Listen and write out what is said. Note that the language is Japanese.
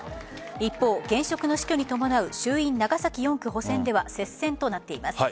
一方、現職の死去に伴う衆院長崎４区補選では接戦となっています。